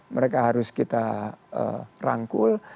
mereka harus kita rangkul